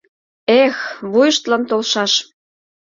Эх, вуйыштлан толшаш!